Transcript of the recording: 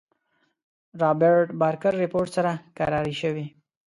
رابرټ بارکر رپوټ سره کراري شوې.